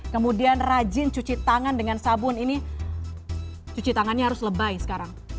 kemudian rajin cuci tangan dengan sabun ini cuci tangannya harus lebay sekarang